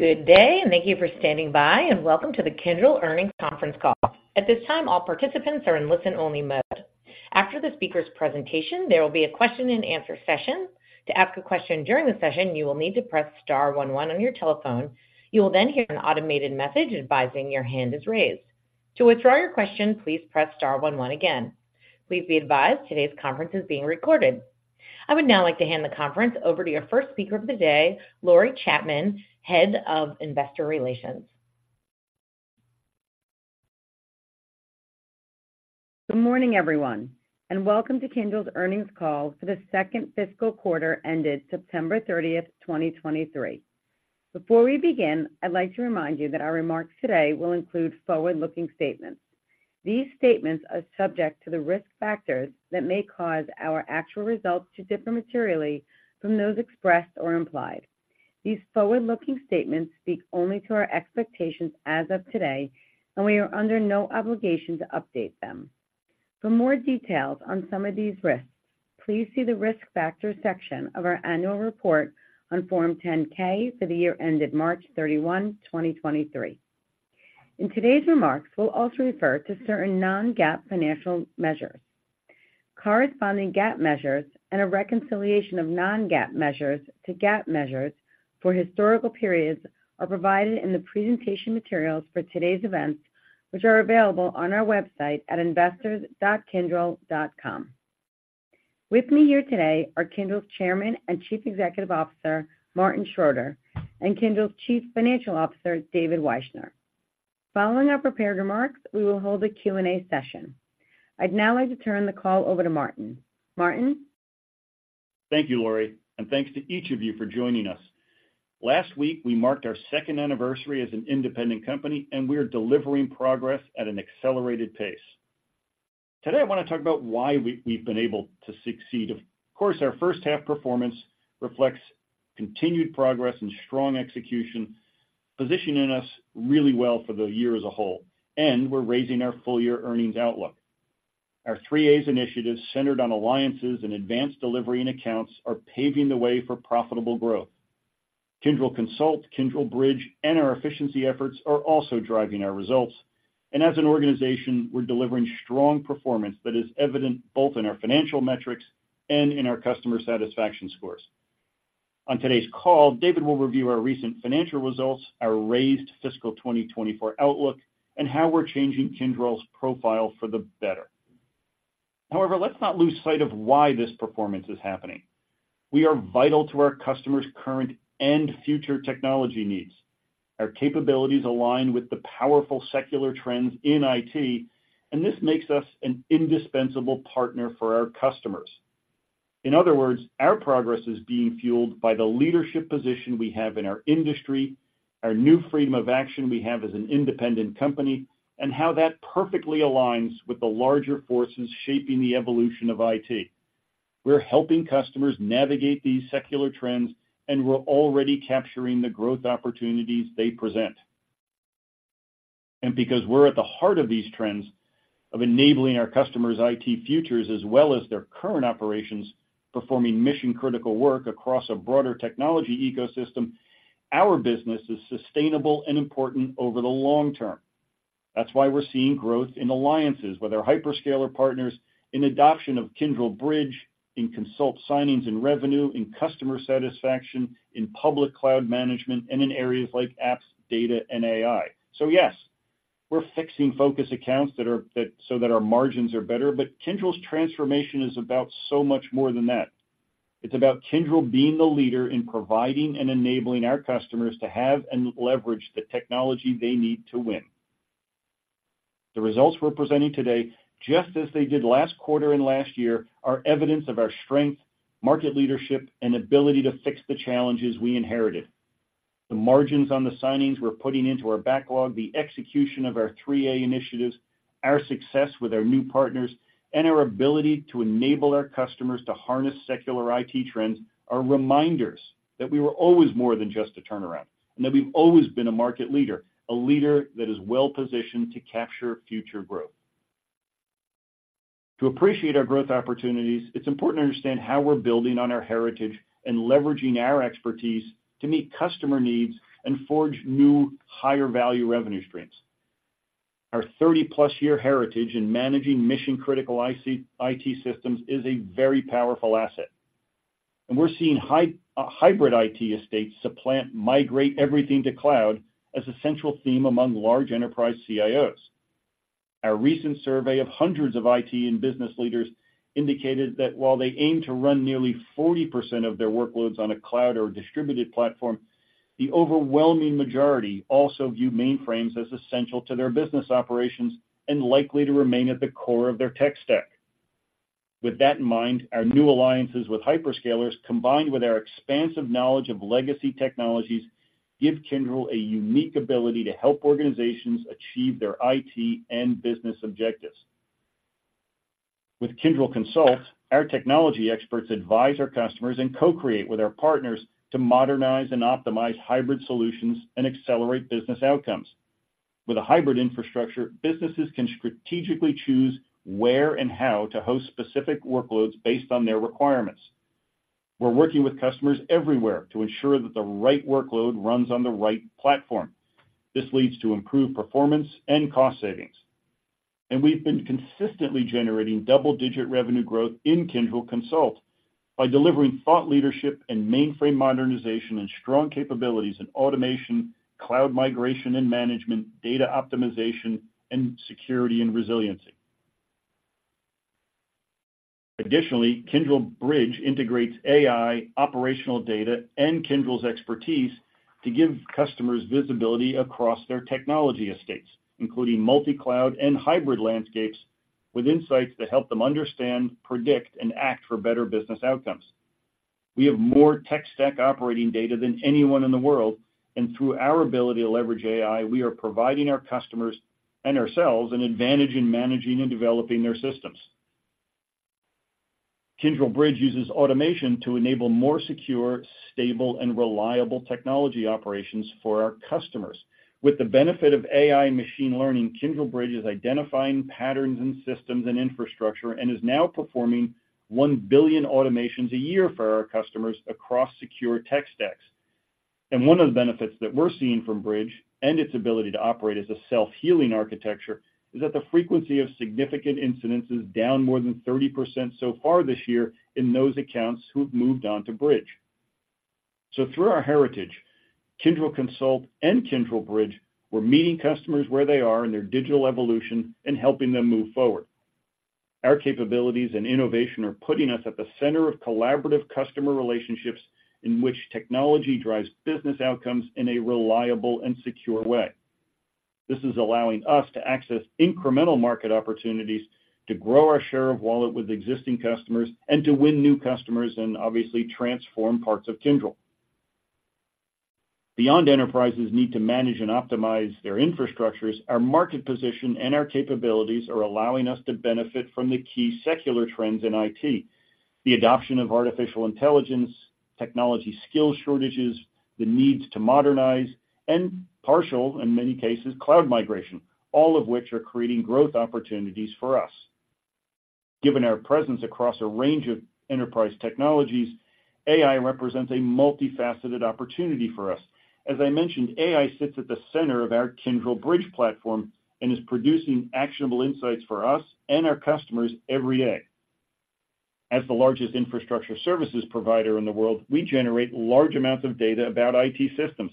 Good day, and thank you for standing by, and welcome to the Kyndryl earnings conference call. At this time, all participants are in listen-only mode. After the speaker's presentation, there will be a question-and-answer session. To ask a question during the session, you will need to press star one one on your telephone. You will then hear an automated message advising your hand is raised. To withdraw your question, please press star one one again. Please be advised, today's conference is being recorded. I would now like to hand the conference over to your first speaker of the day, Lori Chaitman, Head of Investor Relations. Good morning, everyone, and welcome to Kyndryl's earnings call for the second fiscal quarter ended September 30th, 2023. Before we begin, I'd like to remind you that our remarks today will include forward-looking statements. These statements are subject to the risk factors that may cause our actual results to differ materially from those expressed or implied. These forward-looking statements speak only to our expectations as of today, and we are under no obligation to update them. For more details on some of these risks, please see the Risk Factors section of our annual report on Form 10-K for the year ended March 31, 2023. In today's remarks, we'll also refer to certain non-GAAP financial measures. Corresponding GAAP measures and a reconciliation of non-GAAP measures to GAAP measures for historical periods are provided in the presentation materials for today's events, which are available on our website at investors.kyndryl.com. With me here today are Kyndryl's Chairman and Chief Executive Officer, Martin Schroeter, and Kyndryl's Chief Financial Officer, David Wyshner. Following our prepared remarks, we will hold a Q&A session. I'd now like to turn the call over to Martin. Martin? Thank you, Lori, and thanks to each of you for joining us. Last week, we marked our second anniversary as an independent company, and we are delivering progress at an accelerated pace. Today, I want to talk about why we've been able to succeed. Of course, our first half performance reflects continued progress and strong execution, positioning us really well for the year as a whole, and we're raising our full-year earnings outlook. Our Three A's initiatives, centered on Alliances and Advanced Delivery and Accounts, are paving the way for profitable growth. Kyndryl Consult, Kyndryl Bridge, and our efficiency efforts are also driving our results. As an organization, we're delivering strong performance that is evident both in our financial metrics and in our customer satisfaction scores. On today's call, David will review our recent financial results, our raised fiscal 2024 outlook, and how we're changing Kyndryl's profile for the better. However, let's not lose sight of why this performance is happening. We are vital to our customers' current and future technology needs. Our capabilities align with the powerful secular trends in IT, and this makes us an indispensable partner for our customers. In other words, our progress is being fueled by the leadership position we have in our industry, our new freedom of action we have as an independent company, and how that perfectly aligns with the larger forces shaping the evolution of IT. We're helping customers navigate these secular trends, and we're already capturing the growth opportunities they present. And because we're at the heart of these trends of enabling our customers' IT futures as well as their current operations, performing mission-critical work across a broader technology ecosystem, our business is sustainable and important over the long term. That's why we're seeing growth in Alliances with our hyperscaler partners, in adoption of Kyndryl Bridge, in consult signings and revenue, in customer satisfaction, in public Cloud management, and in areas like apps, data, and AI. So yes, we're fixing Focus Accounts that so that our margins are better, but Kyndryl's transformation is about so much more than that. It's about Kyndryl being the leader in providing and enabling our customers to have and leverage the technology they need to win. The results we're presenting today, just as they did last quarter and last year, are evidence of our strength, market leadership, and ability to fix the challenges we inherited. The margins on the signings we're putting into our backlog, the execution of our Three A's initiatives, our success with our new partners, and our ability to enable our customers to harness secular IT trends are reminders that we were always more than just a turnaround, and that we've always been a market leader, a leader that is well-positioned to capture future growth. To appreciate our growth opportunities, it's important to understand how we're building on our heritage and leveraging our expertise to meet customer needs and forge new, higher-value revenue streams. Our 30+ year heritage in managing mission-critical IT systems is a very powerful asset, and we're seeing hybrid IT estates supplant migrate everything to Cloud as a central theme among large enterprise CIOs. Our recent survey of hundreds of IT and business leaders indicated that while they aim to run nearly 40% of their workloads on a Cloud or distributed platform, the overwhelming majority also view mainframes as essential to their business operations and likely to remain at the core of their tech stack. With that in mind, our new Alliances with hyperscalers, combined with our expansive knowledge of legacy technologies, give Kyndryl a unique ability to help organizations achieve their IT and business objectives. With Kyndryl Consult, our technology experts advise our customers and co-create with our partners to modernize and optimize hybrid solutions and accelerate business outcomes. With a hybrid infrastructure, businesses can strategically choose where and how to host specific workloads based on their requirements. We're working with customers everywhere to ensure that the right workload runs on the right platform. This leads to improved performance and cost savings. We've been consistently generating double-digit revenue growth in Kyndryl Consult by delivering thought leadership and mainframe modernization and strong capabilities in automation, Cloud migration and management, data optimization, and Security and Resiliency. Additionally, Kyndryl Bridge integrates AI, operational data, and Kyndryl's expertise to give customers visibility across their technology estates, including multi-Cloud and hybrid landscapes, with insights to help them understand, predict, and act for better business outcomes. We have more tech stack operating data than anyone in the world, and through our ability to leverage AI, we are providing our customers and ourselves an advantage in managing and developing their systems. Kyndryl Bridge uses automation to enable more secure, stable, and reliable technology operations for our customers. With the benefit of AI and machine learning, Kyndryl Bridge is identifying patterns and systems and infrastructure, and is now performing 1 billion automations a year for our customers across secure tech stacks. And one of the benefits that we're seeing from Bridge, and its ability to operate as a self-healing architecture, is that the frequency of significant incidents is down more than 30% so far this year in those Accounts who've moved on to Bridge. So through our heritage, Kyndryl Consult and Kyndryl Bridge, we're meeting customers where they are in their digital evolution and helping them move forward. Our capabilities and innovation are putting us at the center of collaborative customer relationships in which technology drives business outcomes in a reliable and secure way. This is allowing us to access incremental market opportunities, to grow our share of wallet with existing customers, and to win new customers and obviously transform parts of Kyndryl. Beyond, enterprises need to manage and optimize their infrastructures, our market position and our capabilities are allowing us to benefit from the key secular trends in IT, the adoption of artificial intelligence, technology skill shortages, the needs to modernize, and partial, in many cases, Cloud migration, all of which are creating growth opportunities for us. Given our presence across a range of enterprise technologies, AI represents a multifaceted opportunity for us. As I mentioned, AI sits at the center of our Kyndryl Bridge platform and is producing actionable insights for us and our customers every day. As the largest infrastructure services provider in the world, we generate large amounts of data about IT systems.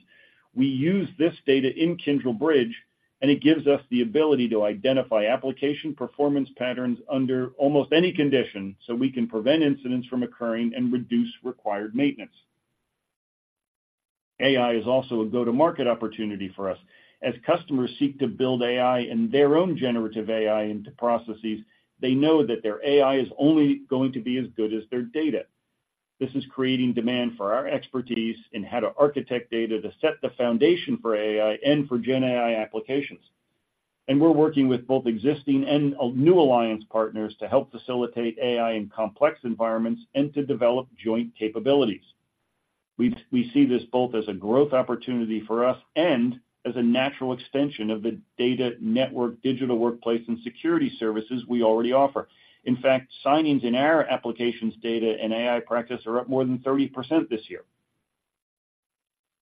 We use this data in Kyndryl Bridge, and it gives us the ability to identify application performance patterns under almost any condition, so we can prevent incidents from occurring and reduce required maintenance. AI is also a go-to-market opportunity for us. As customers seek to build AI and their own generative AI into processes, they know that their AI is only going to be as good as their data. This is creating demand for our expertise in how to architect data to set the foundation for AI and for GenAI applications. And we're working with both existing and new alliance partners to help facilitate AI in complex environments and to develop joint capabilities. We see this both as a growth opportunity for us and as a natural extension of the data network, Digital Workplace, and security services we already offer. In fact, signings in our Applications, Data, and AI practice are up more than 30% this year.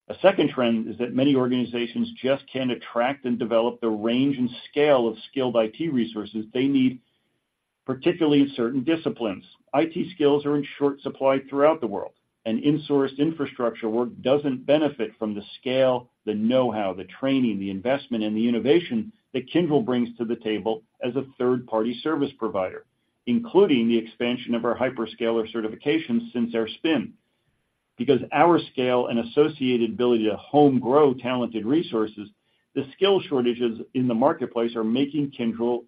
A second trend is that many organizations just can't attract and develop the range and scale of skilled IT resources they need, particularly in certain disciplines. IT skills are in short supply throughout the world, and insourced infrastructure work doesn't benefit from the scale, the know-how, the training, the investment, and the innovation that Kyndryl brings to the table as a third-party service provider, including the expansion of our hyperscaler certifications since our spin. Because our scale and associated ability to home-grow talented resources, the skill shortages in the marketplace are making Kyndryl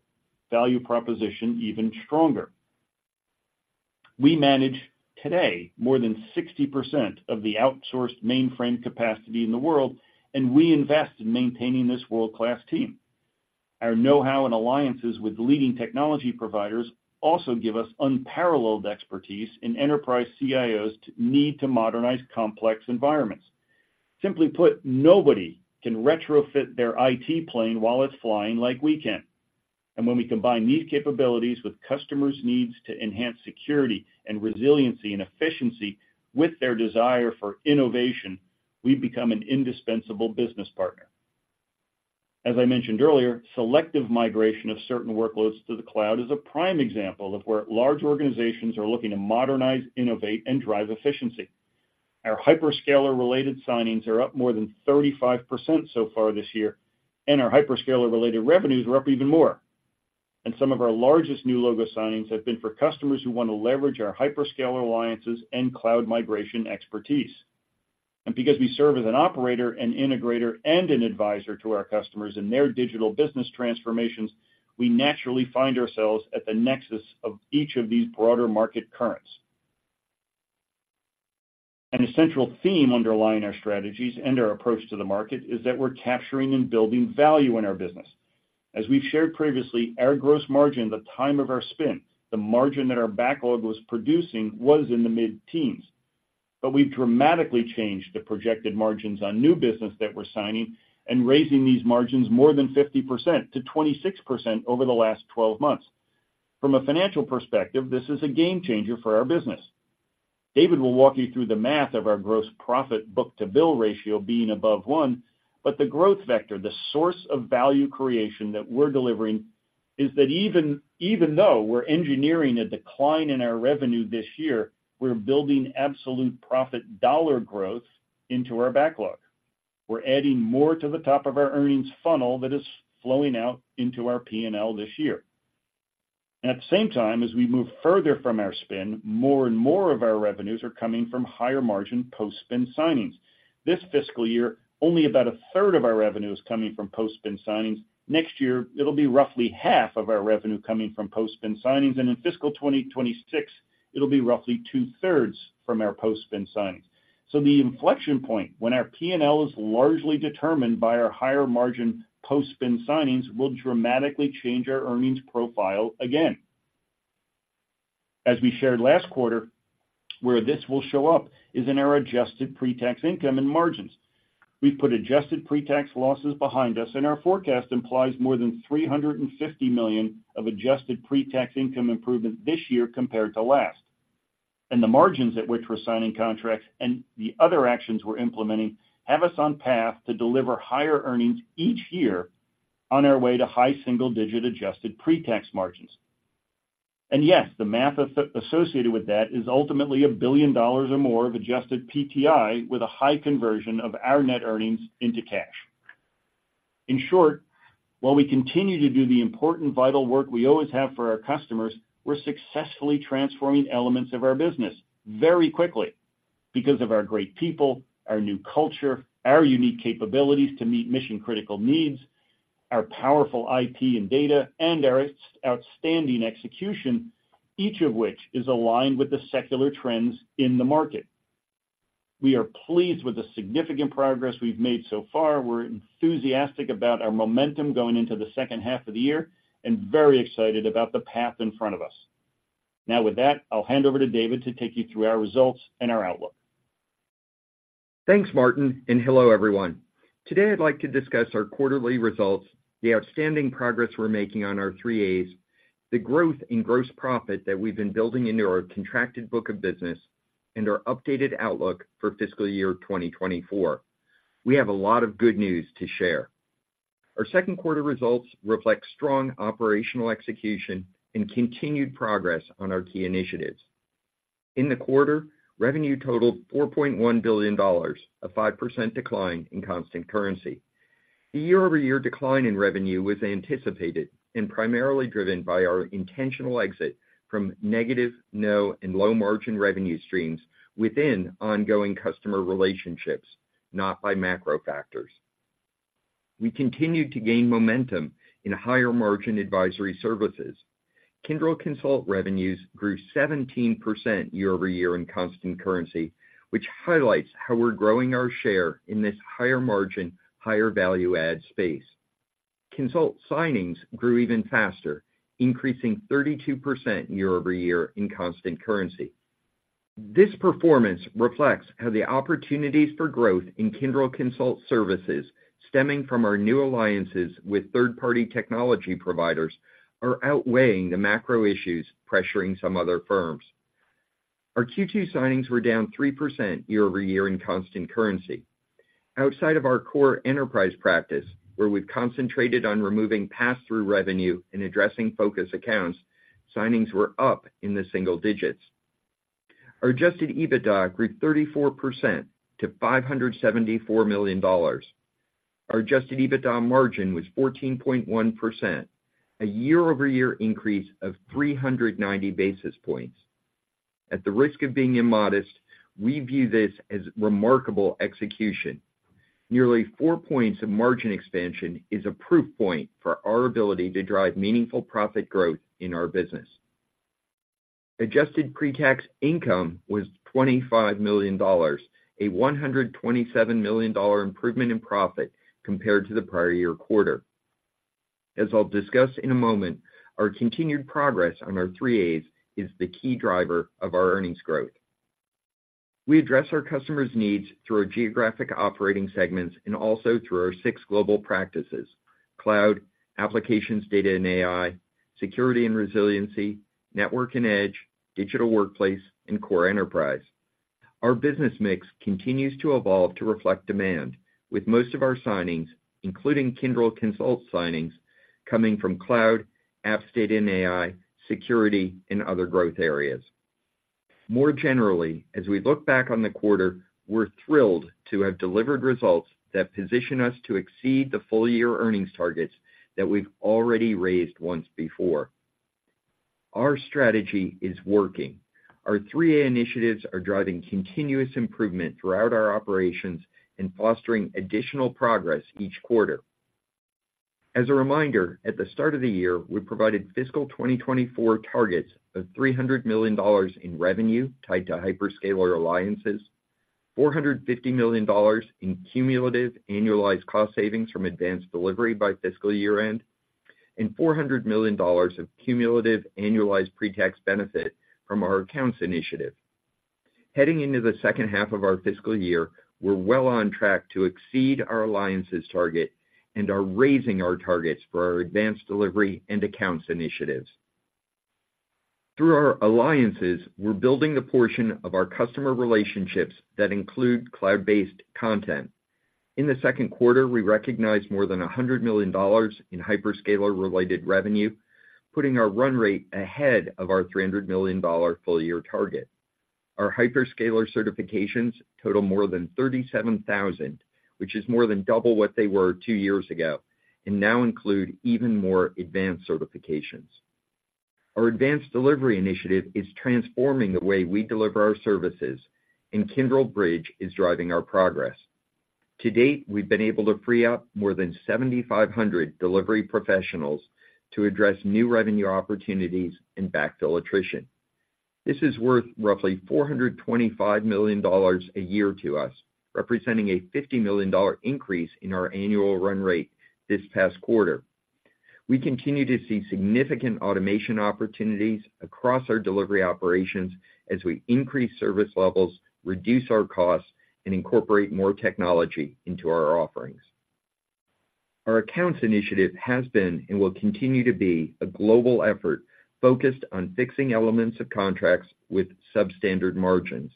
value proposition even stronger. We manage today more than 60% of the outsourced mainframe capacity in the world, and we invest in maintaining this world-class team. Our know-how and Alliances with leading technology providers also give us unparalleled expertise in enterprise CIOs' need to modernize complex environments. Simply put, nobody can retrofit their IT plane while it's flying like we can. And when we combine these capabilities with customers' needs to enhance Security and Resiliency and efficiency with their desire for innovation, we become an indispensable business partner. As I mentioned earlier, selective migration of certain workloads to the Cloud is a prime example of where large organizations are looking to modernize, innovate, and drive efficiency. Our hyperscaler-related signings are up more than 35% so far this year, and our hyperscaler-related revenues are up even more. And some of our largest new logo signings have been for customers who want to leverage our hyperscaler Alliances and Cloud migration expertise. And because we serve as an operator, an integrator, and an advisor to our customers in their digital business transformations, we naturally find ourselves at the nexus of each of these broader market currents. An essential theme underlying our strategies and our approach to the market is that we're capturing and building value in our business. As we've shared previously, our gross margin at the time of our spin, the margin that our backlog was producing, was in the mid-teens, but we've dramatically changed the projected margins on new business that we're signing and raising these margins more than 50% to 26% over the last 12 months. From a financial perspective, this is a game changer for our business. David will walk you through the math of our gross profit book-to-bill ratio being above one, but the growth vector, the source of value creation that we're delivering, is that even though we're engineering a decline in our revenue this year, we're building absolute profit dollar growth into our backlog. We're adding more to the top of our earnings funnel that is flowing out into our P&L this year. And at the same time, as we move further from our spin, more and more of our revenues are coming from higher-margin post-spin signings. This fiscal year, only about a third of our revenue is coming from post-spin signings. Next year, it'll be roughly half of our revenue coming from post-spin signings, and in fiscal 2026, it'll be roughly 2/3 from our post-spin signings. So the inflection point, when our P&L is largely determined by our higher-margin post-spin signings, will dramatically change our earnings profile again. As we shared last quarter, where this will show up is in our adjusted pre-tax income and margins. We've put adjusted pre-tax losses behind us, and our forecast implies more than $350 million of adjusted pre-tax income improvement this year compared to last. And the margins at which we're signing contracts and the other actions we're implementing have us on path to deliver higher earnings each year on our way to high single-digit adjusted pre-tax margins. And yes, the math associated with that is ultimately $1 billion or more of adjusted PTI, with a high conversion of our net earnings into cash. In short, while we continue to do the important, vital work we always have for our customers, we're successfully transforming elements of our business very quickly because of our great people, our new culture, our unique capabilities to meet mission-critical needs, our powerful IT and data, and our outstanding execution, each of which is aligned with the secular trends in the market. We are pleased with the significant progress we've made so far. We're enthusiastic about our momentum going into the second half of the year, and very excited about the path in front of us. Now, with that, I'll hand over to David to take you through our results and our outlook. Thanks, Martin, and hello, everyone. Today, I'd like to discuss our quarterly results, the outstanding progress we're making on our Three A's, the growth in gross profit that we've been building into our contracted book of business, and our updated outlook for fiscal year 2024. We have a lot of good news to share. Our second quarter results reflect strong operational execution and continued progress on our key initiatives. In the quarter, revenue totaled $4.1 billion, a 5% decline in constant currency. The year-over-year decline in revenue was anticipated and primarily driven by our intentional exit from negative, no, and low-margin revenue streams within ongoing customer relationships, not by macro factors. We continued to gain momentum in higher-margin advisory services. Kyndryl Consult revenues grew 17% year-over-year in constant currency, which highlights how we're growing our share in this higher-margin, higher-value-add space. Consult signings grew even faster, increasing 32% year-over-year in constant currency. This performance reflects how the opportunities for growth in Kyndryl Consult, stemming from our new Alliances with third-party technology providers, are outweighing the macro issues pressuring some other firms. Our Q2 signings were down 3% year-over-year in constant currency. Outside of our Core Enterprise practice, where we've concentrated on removing pass-through revenue and addressing Focus Accounts, signings were up in the single digits. Our Adjusted EBITDA grew 34% to $574 million. Our Adjusted EBITDA margin was 14.1%, a year-over-year increase of 390 basis points. At the risk of being immodest, we view this as remarkable execution. Nearly four points of margin expansion is a proof point for our ability to drive meaningful profit growth in our business. Adjusted Pre-Tax Income was $25 million, a $127 million improvement in profit compared to the prior year quarter. As I'll discuss in a moment, our continued progress on our Three A's is the key driver of our earnings growth. We address our customers' needs through our geographic operating segments and also through our six global practices: Cloud, Applications, Data, and AI, Security and Resiliency, Network and Edge, Digital Workplace, and Core Enterprise. Our business mix continues to evolve to reflect demand, with most of our signings, including Kyndryl Consult signings, coming from Cloud, applications, data and AI, security, and other growth areas. More generally, as we look back on the quarter, we're thrilled to have delivered results that position us to exceed the full-year earnings targets that we've already raised once before. Our strategy is working. Our three A initiatives are driving continuous improvement throughout our operations and fostering additional progress each quarter. As a reminder, at the start of the year, we provided fiscal 2024 targets of $300 million in revenue tied to hyperscaler Alliances, $450 million in cumulative annualized cost savings from Advanced Delivery by fiscal year-end, and $400 million of cumulative annualized pretax benefit from our Accounts initiative. Heading into the second half of our fiscal year, we're well on track to exceed our Alliances target and are raising our targets for our Advanced Delivery and Accounts initiatives. Through our Alliances, we're building the portion of our customer relationships that include Cloud-based content. In the second quarter, we recognized more than $100 million in hyperscaler-related revenue, putting our run rate ahead of our $300 million full-year target. Our hyperscaler certifications total more than 37,000, which is more than double what they were two years ago, and now include even more advanced certifications. Our Advanced Delivery initiative is transforming the way we deliver our services, and Kyndryl Bridge is driving our progress. To date, we've been able to free up more than 7,500 delivery professionals to address new revenue opportunities and backfill attrition. This is worth roughly $425 million a year to us, representing a $50 million increase in our annual run rate this past quarter. We continue to see significant automation opportunities across our delivery operations as we increase service levels, reduce our costs, and incorporate more technology into our offerings. Our Accounts initiative has been, and will continue to be, a global effort focused on fixing elements of contracts with substandard margins.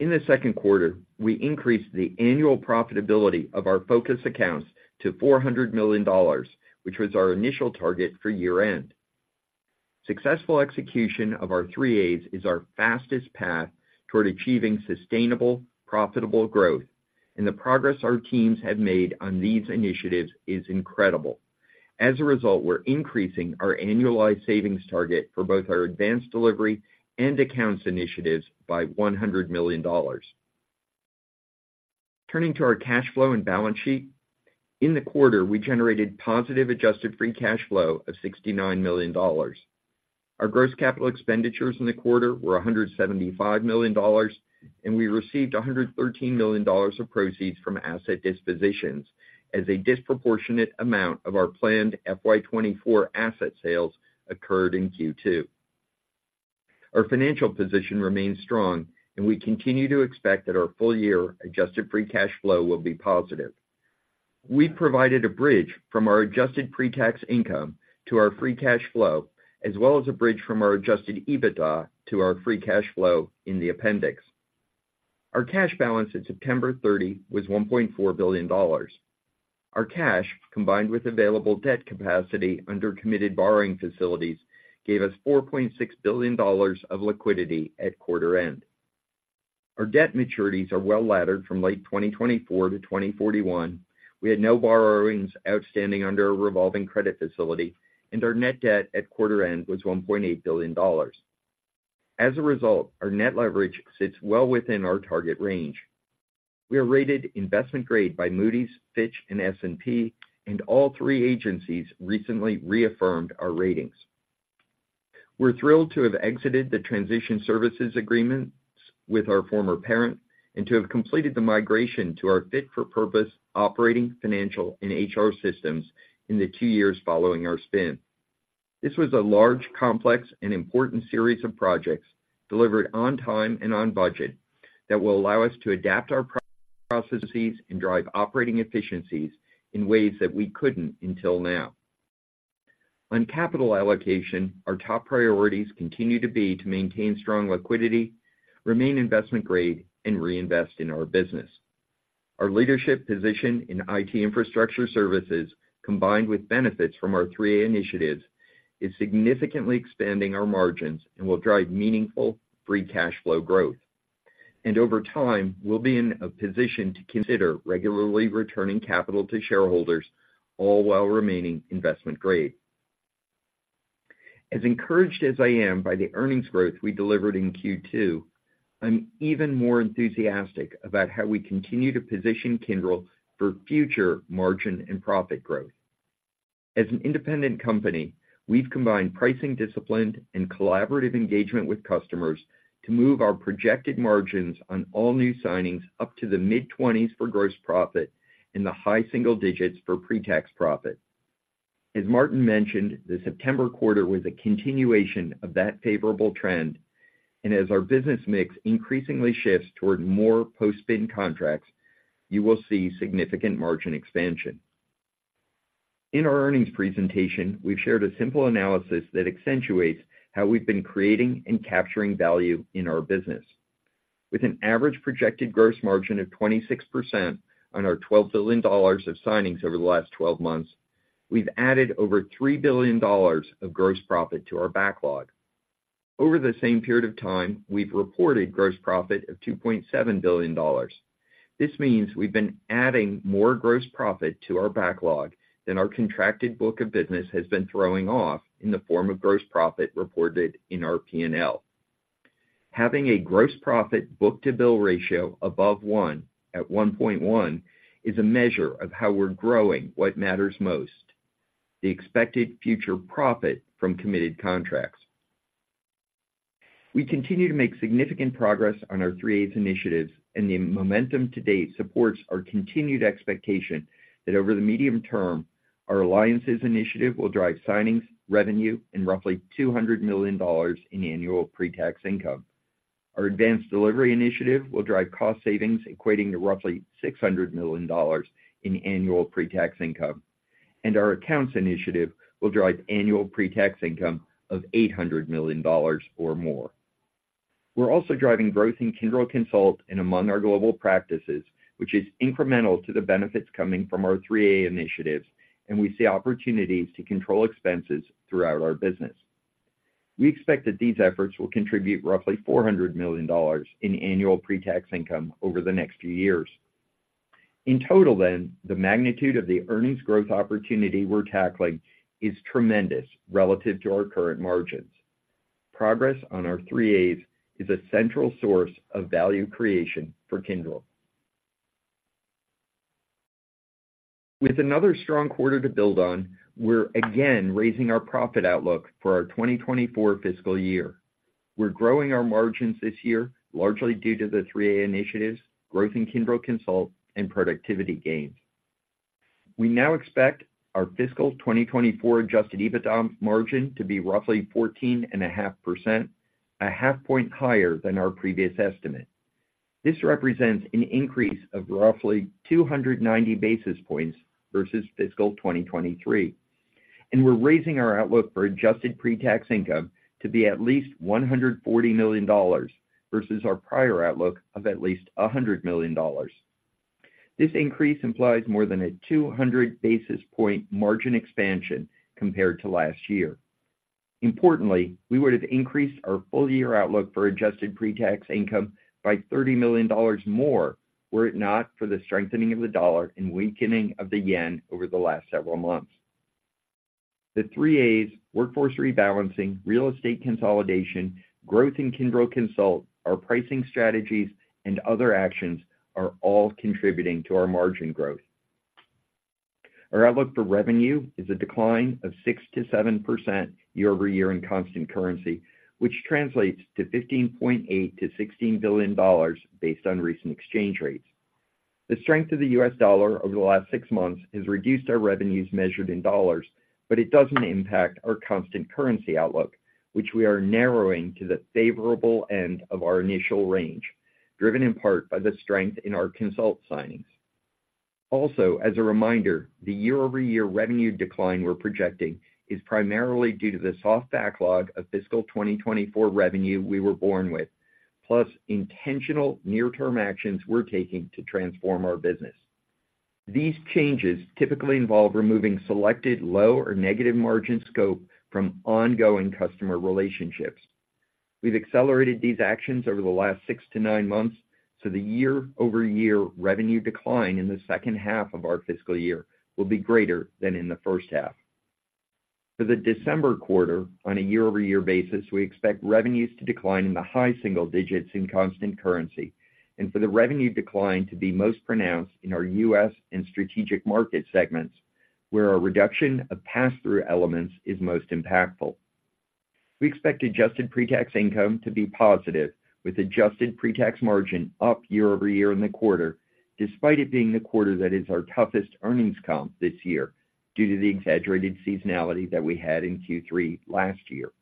In the second quarter, we increased the annual profitability of our Focus Accounts to $400 million, which was our initial target for year-end. Successful execution of our Three A's is our fastest path toward achieving sustainable, profitable growth, and the progress our teams have made on these initiatives is incredible. As a result, we're increasing our annualized savings target for both our Advanced Delivery and Accounts initiatives by $100 million. Turning to our cash flow and balance sheet. In the quarter, we generated positive Adjusted Free Cash Flow of $69 million. Our gross capital expenditures in the quarter were $175 million, and we received $113 million of proceeds from asset dispositions as a disproportionate amount of our planned FY 2024 asset sales occurred in Q2. Our financial position remains strong, and we continue to expect that our full-year adjusted free cash flow will be positive. We provided a bridge from our adjusted pre-tax income to our free cash flow, as well as a bridge from our Adjusted EBITDA to our free cash flow in the appendix. Our cash balance at September 30 was $1.4 billion. Our cash, combined with available debt capacity under committed borrowing facilities, gave us $4.6 billion of liquidity at quarter end. Our debt maturities are well-laddered from late 2024 to 2041. We had no borrowings outstanding under our revolving credit facility, and our net debt at quarter end was $1.8 billion. As a result, our net leverage sits well within our target range. We are rated investment grade by Moody's, Fitch, and S&P, and all three agencies recently reaffirmed our ratings. We're thrilled to have exited the transition services agreements with our former parent and to have completed the migration to our fit-for-purpose operating, financial, and HR systems in the two years following our spin. This was a large, complex, and important series of projects, delivered on time and on budget, that will allow us to adapt our processes and drive operating efficiencies in ways that we couldn't until now. On capital allocation, our top priorities continue to be to maintain strong liquidity, remain investment grade, and reinvest in our business. Our leadership position in IT infrastructure services, combined with benefits from our three As initiatives, is significantly expanding our margins and will drive meaningful free cash flow growth. Over time, we'll be in a position to consider regularly returning capital to shareholders, all while remaining investment grade. As encouraged as I am by the earnings growth we delivered in Q2, I'm even more enthusiastic about how we continue to position Kyndryl for future margin and profit growth. As an independent company, we've combined pricing discipline and collaborative engagement with customers to move our projected margins on all new signings up to the mid 20s for gross profit and the high single digits for pretax profit. As Martin mentioned, the September quarter was a continuation of that favorable trend, and as our business mix increasingly shifts toward more post-spin contracts, you will see significant margin expansion. In our earnings presentation, we've shared a simple analysis that accentuates how we've been creating and capturing value in our business. With an average projected gross margin of 26% on our $12 billion of signings over the last 12 months, we've added over $3 billion of gross profit to our backlog. Over the same period of time, we've reported gross profit of $2.7 billion. This means we've been adding more gross profit to our backlog than our contracted book of business has been throwing off in the form of gross profit reported in our P&L. Having a gross profit book-to-bill ratio above 1, at 1.1, is a measure of how we're growing what matters most, the expected future profit from committed contracts. We continue to make significant progress on our three As initiatives, and the momentum to date supports our continued expectation that over the medium term, our Alliances initiative will drive signings, revenue, and roughly $200 million in annual pre-tax income. Our Advanced Delivery initiative will drive cost savings equating to roughly $600 million in annual pre-tax income, and our Accounts initiative will drive annual pre-tax income of $800 million or more. We're also driving growth in Kyndryl Consult and among our global practices, which is incremental to the benefits coming from our three A initiatives, and we see opportunities to control expenses throughout our business. We expect that these efforts will contribute roughly $400 million in annual pre-tax income over the next few years. In total, then, the magnitude of the earnings growth opportunity we're tackling is tremendous relative to our current margins. Progress on our three As is a central source of value creation for Kyndryl. With another strong quarter to build on, we're again raising our profit outlook for our 2024 fiscal year. We're growing our margins this year, largely due to the three A initiatives, growth in Kyndryl Consult, and productivity gains. We now expect our fiscal 2024 Adjusted EBITDA margin to be roughly 14.5%, a half point higher than our previous estimate. This represents an increase of roughly 290 basis points versus fiscal 2023, and we're raising our outlook for Adjusted Pre-Tax Income to be at least $140 million versus our prior outlook of at least $100 million. This increase implies more than 200 basis points margin expansion compared to last year. Importantly, we would have increased our full-year outlook for Adjusted Pre-Tax Income by $30 million more, were it not for the strengthening of the dollar and weakening of the yen over the last several months. Three A's, workforce rebalancing, real estate consolidation, growth in Kyndryl Consult, our pricing strategies, and other actions are all contributing to our margin growth. Our outlook for revenue is a decline of 6%-7% year-over-year in constant currency, which translates to $15.8 billion-$16 billion based on recent exchange rates. The strength of the U.S. dollar over the last six months has reduced our revenues measured in dollars, but it doesn't impact our constant currency outlook, which we are narrowing to the favorable end of our initial range, driven in part by the strength in our consult signings. Also, as a reminder, the year-over-year revenue decline we're projecting is primarily due to the soft backlog of fiscal 2024 revenue we were born with, plus intentional near-term actions we're taking to transform our business. These changes typically involve removing selected low or negative margin scope from ongoing customer relationships. We've accelerated these actions over the last six to nine months, so the year-over-year revenue decline in the second half of our fiscal year will be greater than in the first half. For the December quarter, on a year-over-year basis, we expect revenues to decline in the high single digits in constant currency, and for the revenue decline to be most pronounced in our U.S. and strategic market segments, where our reduction of pass-through elements is most impactful. We expect Adjusted Pre-Tax Income to be positive, with Adjusted Pre-Tax Margin up year-over-year in the quarter, despite it being the quarter that is our toughest earnings comp this year due to the exaggerated seasonality that we had in Q3 last year.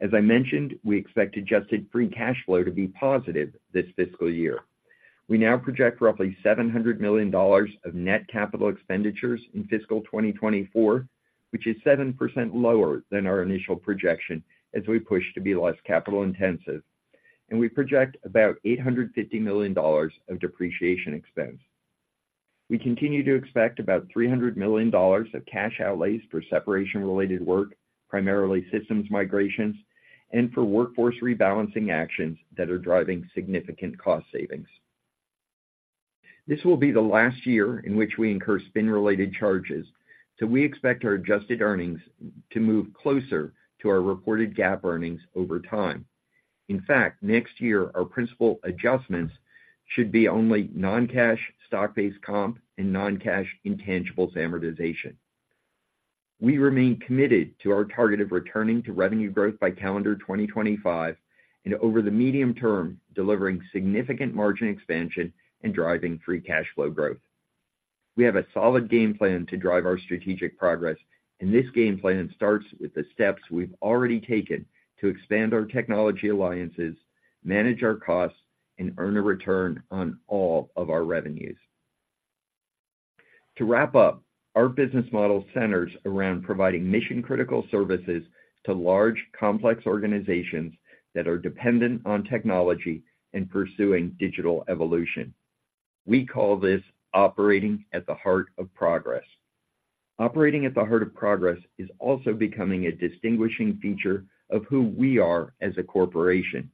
As I mentioned, we expect Adjusted Free Cash Flow to be positive this fiscal year. We now project roughly $700 million of net capital expenditures in fiscal 2024, which is 7% lower than our initial projection as we push to be less capital intensive, and we project about $850 million of depreciation expense. We continue to expect about $300 million of cash outlays for separation-related work, primarily systems migrations and for workforce rebalancing actions that are driving significant cost savings. This will be the last year in which we incur spin-related charges, so we expect our adjusted earnings to move closer to our reported GAAP earnings over time. In fact, next year, our principal adjustments should be only non-cash stock-based comp and non-cash intangibles amortization. We remain committed to our target of returning to revenue growth by calendar 2025 and over the medium term, delivering significant margin expansion and driving free cash flow growth. We have a solid game plan to drive our strategic progress, and this game plan starts with the steps we've already taken to expand our technology Alliances, manage our costs, and earn a return on all of our revenues. To wrap up, our business model centers around providing mission-critical services to large, complex organizations that are dependent on technology and pursuing digital evolution. We call this operating at the heart of progress. Operating at the heart of progress is also becoming a distinguishing feature of who we are as a corporation.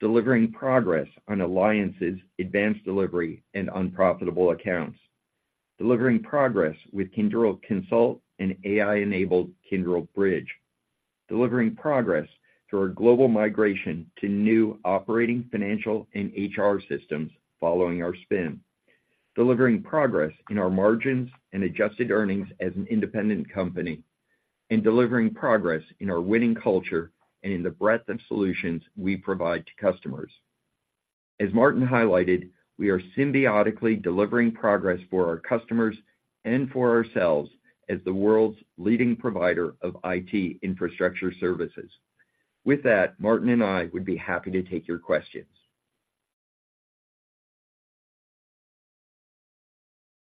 Delivering progress on Alliances, Advanced Delivery, and unprofitable Accounts, delivering progress with Kyndryl Consult and AI-enabled Kyndryl Bridge, delivering progress through our global migration to new operating, financial, and HR systems following our spin. Delivering progress in our margins and adjusted earnings as an independent company, and delivering progress in our winning culture and in the breadth of solutions we provide to customers. As Martin highlighted, we are symbiotically delivering progress for our customers and for ourselves as the world's leading provider of IT infrastructure services. With that, Martin and I would be happy to take your questions.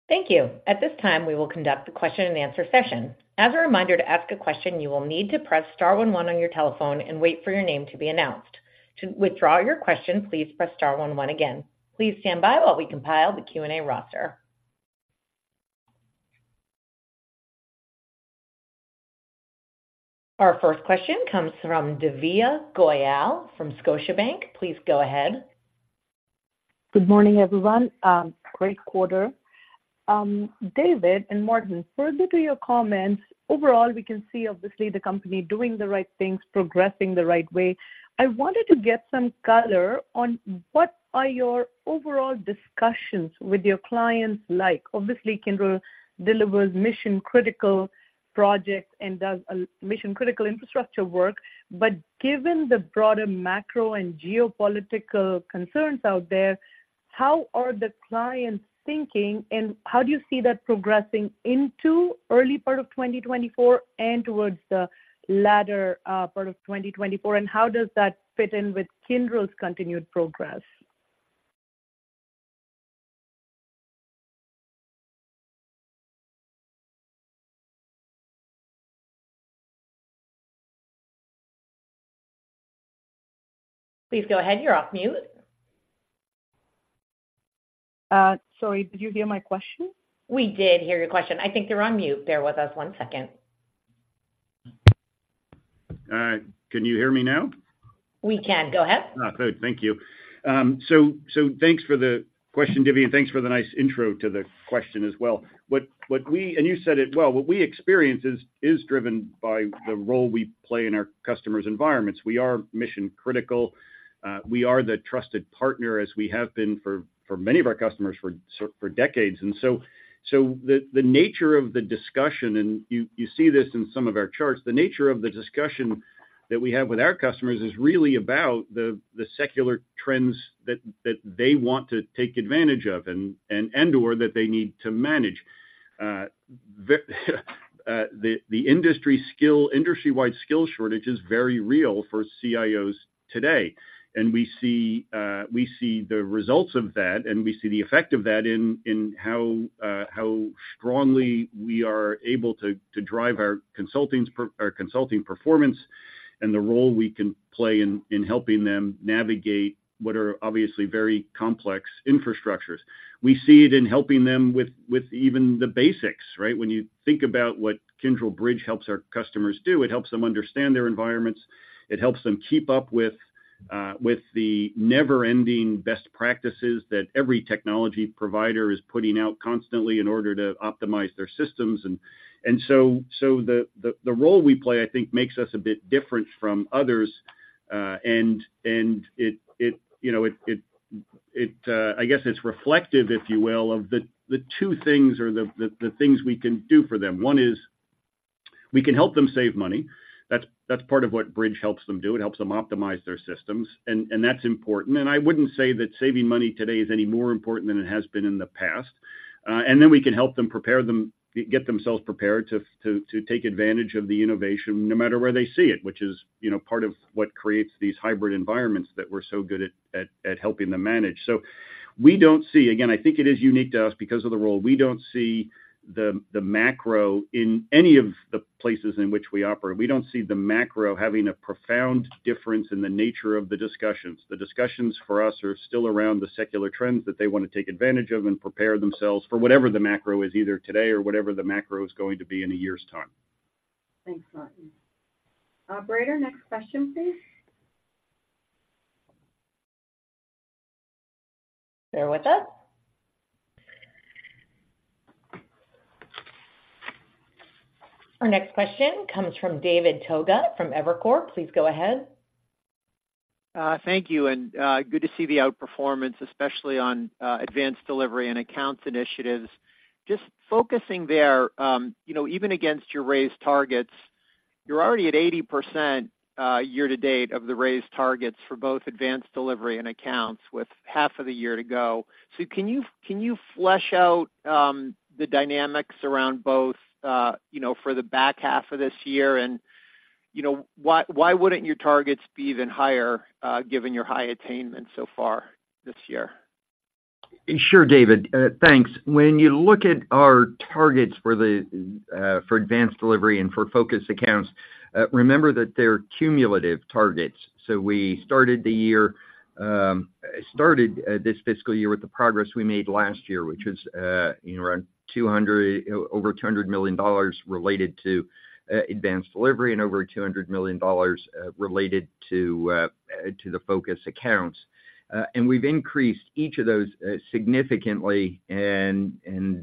Thank you. At this time, we will conduct the question-and-answer session. As a reminder, to ask a question, you will need to press star one one on your telephone and wait for your name to be announced. To withdraw your question, please press star one one again. Please stand by while we compile the Q&A roster. Our first question comes from Divya Goyal from Scotiabank. Please go ahead. Good morning, everyone. Great quarter. David and Martin, further to your comments, overall, we can see, obviously, the company doing the right things, progressing the right way. I wanted to get some color on what are your overall discussions with your clients like? Obviously, Kyndryl delivers mission-critical projects and does mission-critical infrastructure work. But given the broader macro and geopolitical concerns out there, how are the clients thinking, and how do you see that progressing into early part of 2024 and towards the latter part of 2024, and how does that fit in with Kyndryl's continued progress? Please go ahead, you're off mute. Sorry, did you hear my question? We did hear your question. I think you're on mute. Bear with us one second. All right. Can you hear me now? We can. Go ahead. Ah, good. Thank you. So thanks for the question, Divya, and thanks for the nice intro to the question as well. What, and you said it well, what we experience is driven by the role we play in our customers' environments. We are mission-critical. We are the trusted partner, as we have been for many of our customers for decades. So the nature of the discussion, and you see this in some of our charts, the nature of the discussion that we have with our customers is really about the secular trends that they want to take advantage of and/or that they need to manage. The industry-wide skill shortage is very real for CIOs today, and we see, we see the results of that, and we see the effect of that in how strongly we are able to drive our consulting performance and the role we can play in helping them navigate what are obviously very complex infrastructures. We see it in helping them with even the basics, right? When you think about what Kyndryl Bridge helps our customers do, it helps them understand their environments. It helps them keep up with the never-ending best practices that every technology provider is putting out constantly in order to optimize their systems. So the role we play, I think, makes us a bit different from others, and it, you know, it, I guess it's reflective, if you will, of the two things or the things we can do for them. One is we can help them save money. That's part of what Bridge helps them do. It helps them optimize their systems, and that's important. And I wouldn't say that saving money today is any more important than it has been in the past. And then we can help them get themselves prepared to take advantage of the innovation, no matter where they see it, which is, you know, part of what creates these hybrid environments that we're so good at helping them manage. So we don't see. Again, I think it is unique to us because of the role. We don't see the macro in any of the places in which we operate. We don't see the macro having a profound difference in the nature of the discussions. The discussions for us are still around the secular trends that they wanna take advantage of and prepare themselves for whatever the macro is, either today or whatever the macro is going to be in a year's time. Thanks, Martin. Operator, next question, please. Bear with us. Our next question comes from David Togut from Evercore ISI. Please go ahead. Thank you, and good to see the outperformance, especially on Advanced Delivery and Accounts initiatives. Just focusing there, you know, even against your raised targets, you're already at 80% year to date of the raised targets for both Advanced Delivery and Accounts, with half of the year to go. So can you, can you flesh out the dynamics around both, you know, for the back half of this year? And, you know, why, why wouldn't your targets be even higher, given your high attainment so far this year? Sure, David, thanks. When you look at our targets for the for Advanced Delivery and for Focus Accounts, remember that they're cumulative targets. So we started this fiscal year with the progress we made last year, which was, you know, over $200 million related to Advanced Delivery and over $200 million related to the Focus Accounts. And we've increased each of those significantly, and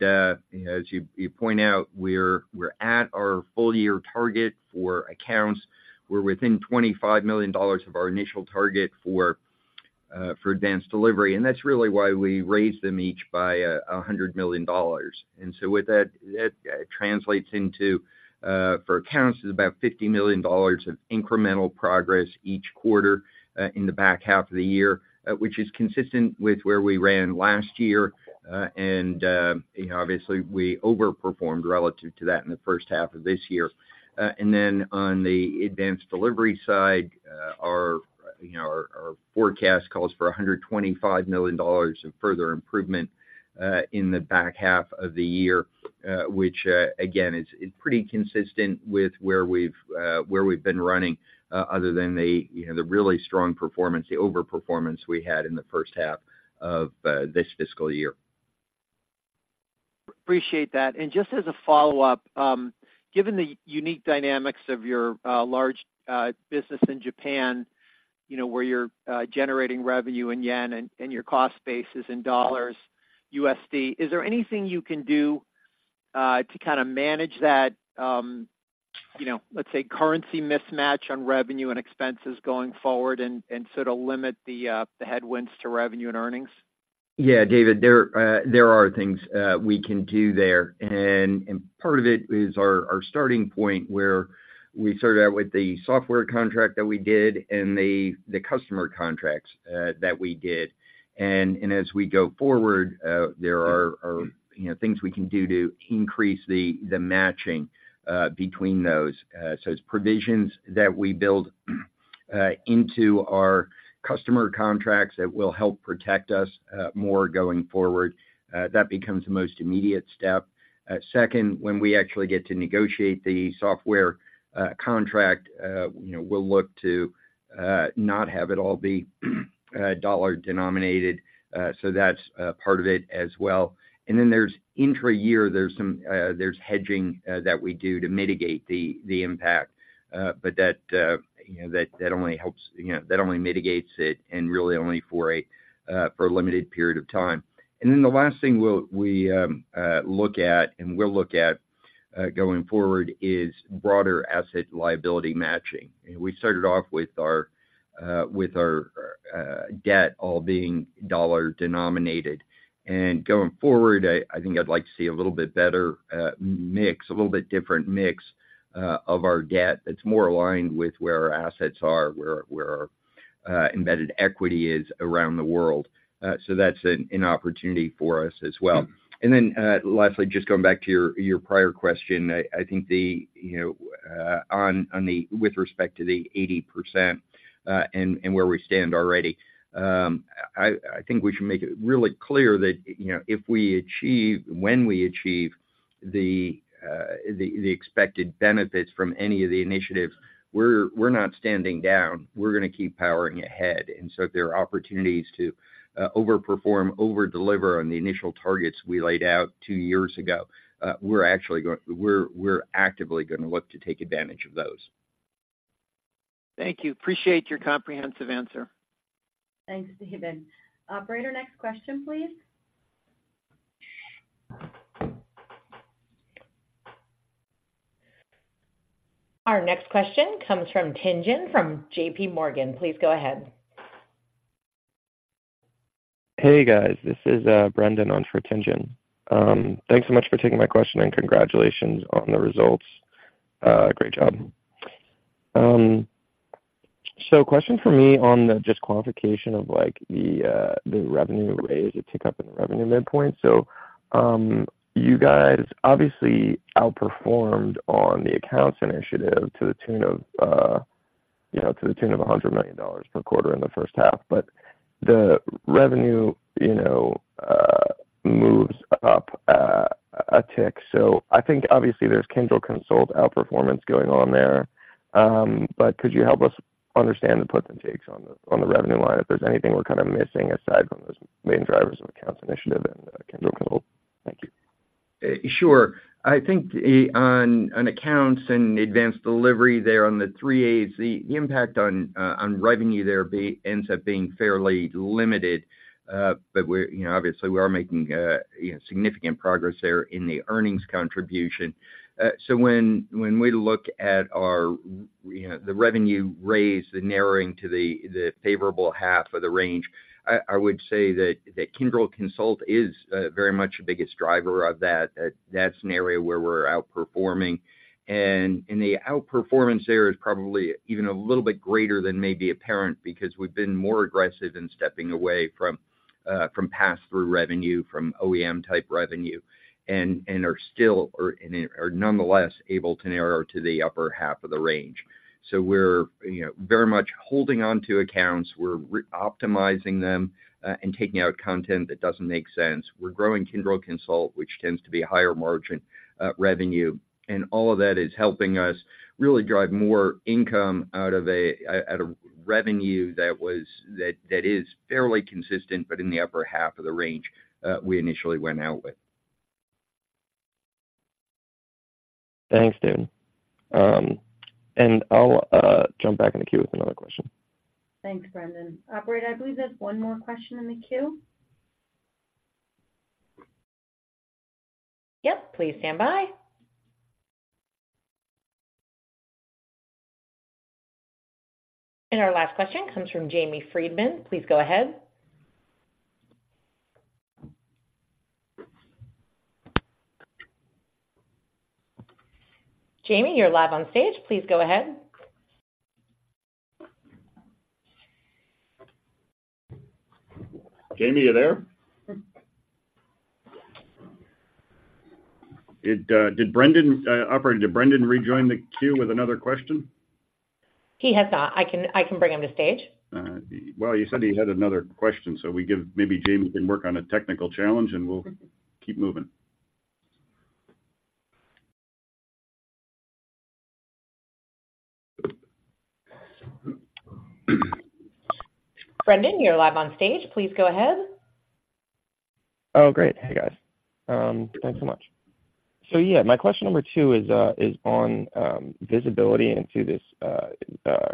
as you point out, we're at our full-year target for Accounts. We're within $25 million of our initial target for- for Advanced Delivery, and that's really why we raised them each by $100 million. And so with that, that translates into for Accounts, is about $50 million of incremental progress each quarter in the back half of the year, which is consistent with where we ran last year. And you know, obviously, we overperformed relative to that in the first half of this year. And then on the Advanced Delivery side, our you know, our forecast calls for $125 million of further improvement in the back half of the year, which again is pretty consistent with where we've where we've been running other than the you know, the really strong performance, the overperformance we had in the first half of this fiscal year. Appreciate that. And just as a follow-up, given the unique dynamics of your large business in Japan, you know, where you're generating revenue in yen and your cost base is in dollars, USD, is there anything you can do to kind of manage that, you know, let's say, currency mismatch on revenue and expenses going forward and so to limit the headwinds to revenue and earnings? Yeah, David, there are things we can do there. And part of it is our starting point, where we started out with the software contract that we did and the customer contracts that we did. And as we go forward, there are, you know, things we can do to increase the matching between those. So it's provisions that we build into our customer contracts that will help protect us more going forward. That becomes the most immediate step. Second, when we actually get to negotiate the software contract, you know, we'll look to not have it all be dollar-denominated. So that's part of it as well. And then there's intra-year, there's some hedging that we do to mitigate the impact. But that, you know, that only helps, you know, that only mitigates it, and really only for a limited period of time. And then the last thing we'll look at going forward is broader asset liability matching. We started off with our debt all being dollar-denominated. And going forward, I think I'd like to see a little bit better mix, a little bit different mix of our debt that's more aligned with where our assets are, where our embedded equity is around the world. So that's an opportunity for us as well. And then, lastly, just going back to your prior question, I think the, you know, on the. With respect to the 80%, and where we stand already, I think we should make it really clear that, you know, if we achieve, when we achieve the expected benefits from any of the initiatives, we're not standing down. We're gonna keep powering ahead. And so if there are opportunities to overperform, overdeliver on the initial targets we laid out two years ago, we're actually actively gonna look to take advantage of those. Thank you. Appreciate your comprehensive answer. Thanks, David. Operator, next question, please. Our next question comes from Tien-Tsin from JPMorgan. Please go ahead. Hey, guys. This is Brendan on for Tien-Tsin. Thanks so much for taking my question, and congratulations on the results. Great job. So question for me on the just qualification of, like, the revenue raise, the tick up in the revenue midpoint. So you guys obviously outperformed on the Accounts initiative to the tune of, you know, to the tune of $100 million per quarter in the first half, but the revenue, you know, moves up a tick. So I think obviously there's Kyndryl Consult outperformance going on there. But could you help us understand the puts and takes on the revenue line, if there's anything we're kind of missing aside from those main drivers of Accounts initiative and Kyndryl Consult? Thank you. Sure. I think on Accounts and Advanced Delivery there on the Three A's, the impact on revenue there ends up being fairly limited. But we're, you know, obviously we are making, you know, significant progress there in the earnings contribution. So when we look at our, you know, the revenue raise, the narrowing to the favorable half of the range, I would say that Kyndryl Consult is very much the biggest driver of that. That's an area where we're outperforming. And the outperformance there is probably even a little bit greater than may be apparent, because we've been more aggressive in stepping away from pass-through revenue, from OEM-type revenue, and are nonetheless able to narrow to the upper half of the range. So we're, you know, very much holding on to Accounts. We're re-optimizing them, and taking out content that doesn't make sense. We're growing Kyndryl Consult, which tends to be a higher margin revenue. And all of that is helping us really drive more income out of a at a revenue that is fairly consistent, but in the upper half of the range we initially went out with. Thanks, David. And I'll jump back in the queue with another question. Thanks, Brendan. Operator, I believe there's one more question in the queue? .Yep, please stand by. Our last question comes from Jamie Friedman. Please go ahead. Jamie, you're live on stage. Please go ahead. Jamie, are you there? Operator, did Brendan rejoin the queue with another question? He has not. I can, I can bring him to stage. Well, you said he had another question, so maybe Jamie can work on a technical challenge, and we'll keep moving. Brendan, you're live on stage. Please go ahead. Oh, great. Hey, guys. Thanks so much. So yeah, my question number two is on visibility into this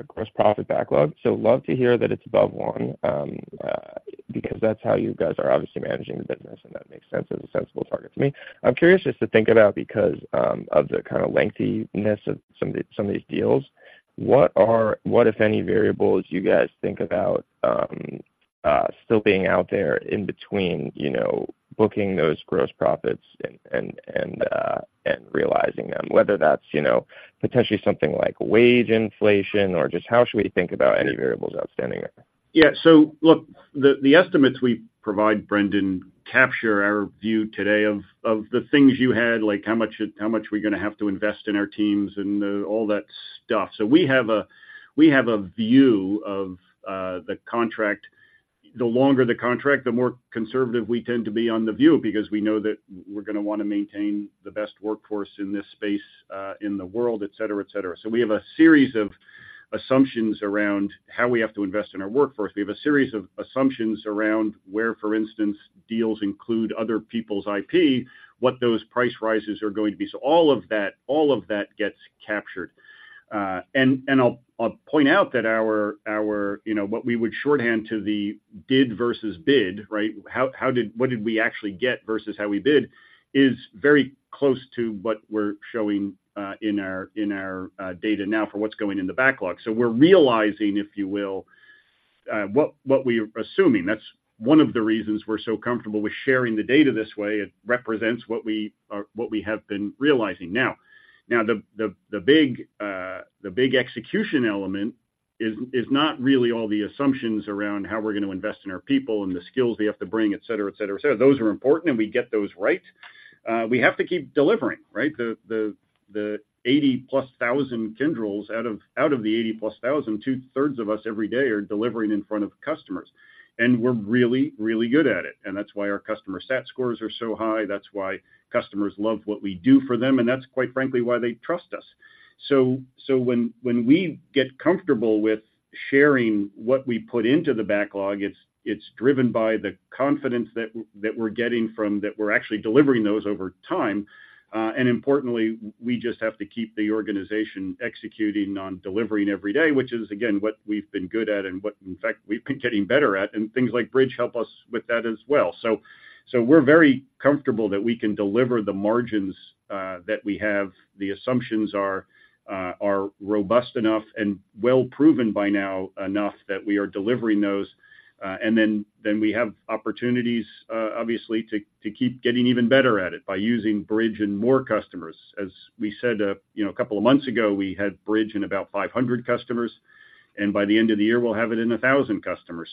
gross profit backlog. So love to hear that it's above one because that's how you guys are obviously managing the business, and that makes sense as a sensible target to me. I'm curious just to think about because of the kind of lengthiness of some of these deals, what are—what, if any, variables you guys think about still being out there in between, you know, booking those gross profits and realizing them, whether that's, you know, potentially something like wage inflation, or just how should we think about any variables outstanding there? Yeah. So look, the estimates we provide, Brendan, capture our view today of the things you had, like how much we're going to have to invest in our teams and all that stuff. So we have a view of the contract. The longer the contract, the more conservative we tend to be on the view, because we know that we're gonna want to maintain the best workforce in this space in the world, et cetera, et cetera. So we have a series of assumptions around how we have to invest in our workforce. We have a series of assumptions around where, for instance, deals include other people's IP, what those price rises are going to be. So all of that, all of that gets captured. And I'll point out that our, you know, what we would shorthand to the did versus bid, right? How did—what did we actually get versus how we bid is very close to what we're showing in our data now for what's going in the backlog. So we're realizing, if you will, what we're assuming. That's one of the reasons we're so comfortable with sharing the data this way. It represents what we are, what we have been realizing. Now the big execution element is not really all the assumptions around how we're going to invest in our people and the skills they have to bring, et cetera, et cetera, et cetera. Those are important, and we get those right. We have to keep delivering, right? The 80+ thousand Kyndryls out of the 80+ thousand, 2/3 of us every day are delivering in front of customers, and we're really, really good at it. And that's why our customer sat scores are so high. That's why customers love what we do for them, and that's quite frankly, why they trust us. So when we get comfortable with sharing what we put into the backlog, it's driven by the confidence that we're getting from that we're actually delivering those over time. And importantly, we just have to keep the organization executing on delivering every day, which is, again, what we've been good at and what, in fact, we've been getting better at, and things like Bridge help us with that as well. So we're very comfortable that we can deliver the margins that we have. The assumptions are robust enough and well proven by now enough that we are delivering those. And then we have opportunities, obviously, to keep getting even better at it by using Bridge and more customers. As we said, you know, a couple of months ago, we had Bridge in about 500 customers, and by the end of the year, we'll have it in 1,000 customers.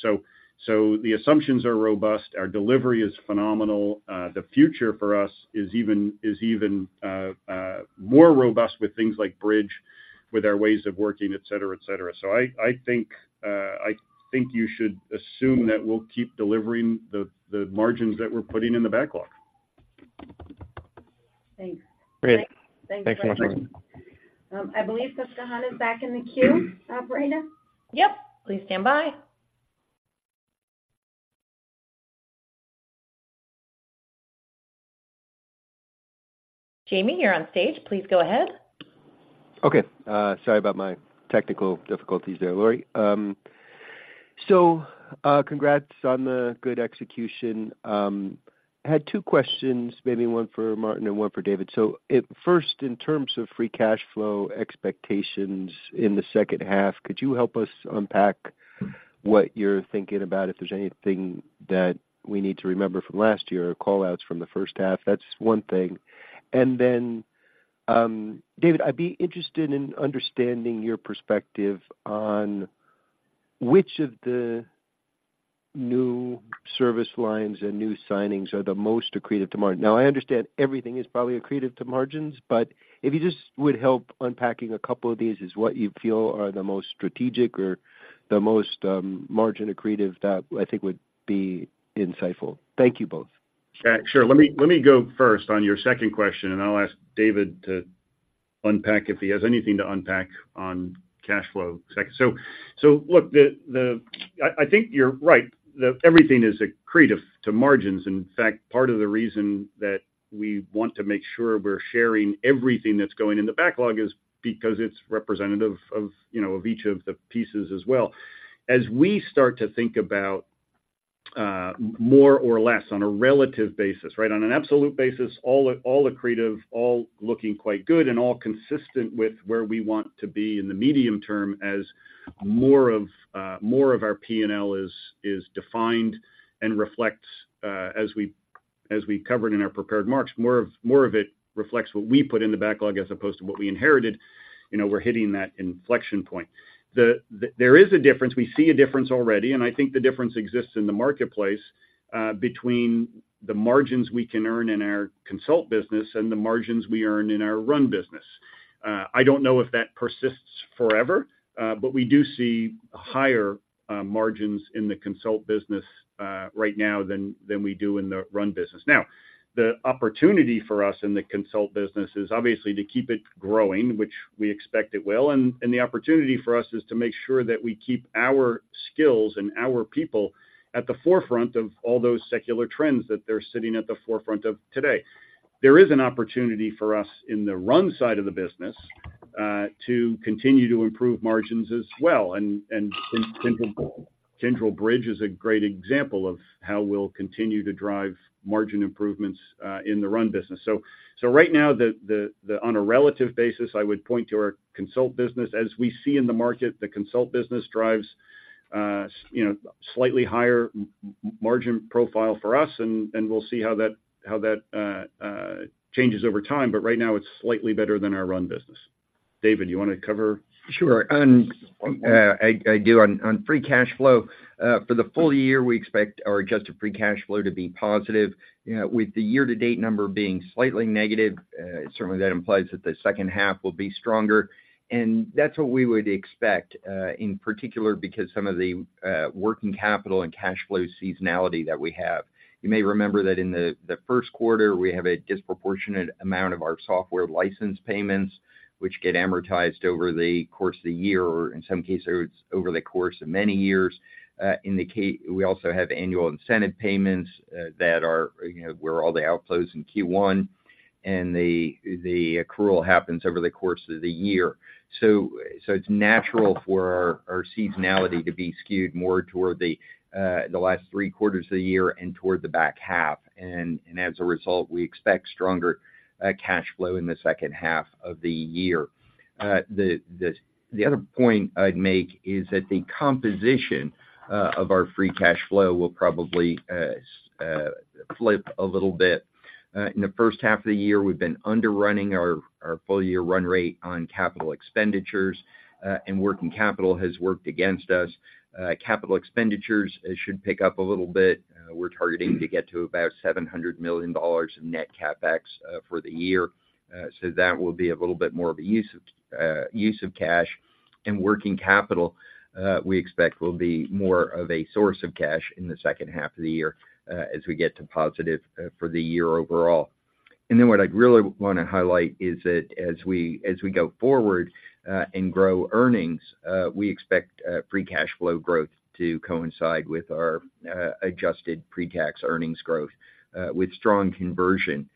So the assumptions are robust, our delivery is phenomenal. The future for us is even more robust with things like Bridge, with our ways of working, et cetera, et cetera. So I think you should assume that we'll keep delivering the margins that we're putting in the backlog. Thanks. Great. Thanks very much. I believe Susquehanna is back in the queue, Operator? Yep, please stand by. Jamie, you're on stage. Please go ahead. Okay, sorry about my technical difficulties there, Lori. So, congrats on the good execution. I had two questions, maybe one for Martin and one for David. First, in terms of free cash flow expectations in the second half, could you help us unpack what you're thinking about, if there's anything that we need to remember from last year or call-outs from the first half? That's one thing. And then, David, I'd be interested in understanding your perspective on which of the new service lines and new signings are the most accretive to margin. Now, I understand everything is probably accretive to margins, but if you just would help unpacking a couple of these, is what you feel are the most strategic or the most, margin accretive, that I think would be insightful. Thank you both. Sure. Let me, let me go first on your second question, and I'll ask David to unpack if he has anything to unpack on cash flow. So, so look, I think you're right, the everything is accretive to margins. In fact, part of the reason that we want to make sure we're sharing everything that's going in the backlog is because it's representative of, you know, of each of the pieces as well. As we start to think about more or less on a relative basis, right? On an absolute basis, all accretive, all looking quite good and all consistent with where we want to be in the medium term as more of our P&L is defined and reflects, as we covered in our prepared remarks, more of it reflects what we put in the backlog as opposed to what we inherited. You know, we're hitting that inflection point. There is a difference, we see a difference already, and I think the difference exists in the marketplace between the margins we can earn in our Consult business and the margins we earn in our run business. I don't know if that persists forever, but we do see higher margins in the Consult business right now than we do in the run business. Now, the opportunity for us in the Consult business is obviously to keep it growing, which we expect it will. And the opportunity for us is to make sure that we keep our skills and our people at the forefront of all those secular trends that they're sitting at the forefront of today. There is an opportunity for us in the run side of the business to continue to improve margins as well. And Kyndryl Bridge is a great example of how we'll continue to drive margin improvements in the run business. So right now, on a relative basis, I would point to our Consult business. As we see in the market, the Consult business drives, you know, slightly higher margin profile for us, and we'll see how that changes over time. But right now, it's slightly better than our run business. David, you wanna cover? Sure. I do. On free cash flow, for the full year, we expect our Adjusted Free Cash Flow to be positive, with the year-to-date number being slightly negative. Certainly, that implies that the second half will be stronger, and that's what we would expect, in particular, because some of the working capital and cash flow seasonality that we have. You may remember that in the first quarter, we have a disproportionate amount of our software license payments, which get amortized over the course of the year, or in some cases, over the course of many years. We also have annual incentive payments, that are, you know, where all the outflows in Q1 and the accrual happens over the course of the year. It's natural for our seasonality to be skewed more toward the last three quarters of the year and toward the back half. As a result, we expect stronger cash flow in the second half of the year. The other point I'd make is that the composition of our free cash flow will probably flip a little bit. In the first half of the year, we've been underrunning our full year run rate on capital expenditures, and working capital has worked against us. Capital expenditures should pick up a little bit. We're targeting to get to about $700 million in net CapEx for the year. So that will be a little bit more of a use of cash. And working capital, we expect will be more of a source of cash in the second half of the year, as we get to positive, for the year overall. And then what I'd really wanna highlight is that as we go forward, and grow earnings, we expect free cash flow growth to coincide with our Adjusted Pre-Tax Earnings growth, with strong conversion